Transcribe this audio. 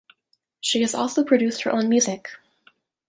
She has also produced her own music.